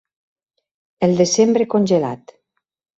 El desembre congelat